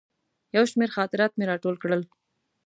یو شمېر خاطرات مې راټول کړل.